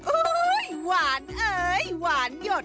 อุ๊ยหวานเอ๊ยหวานหยด